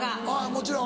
もちろん。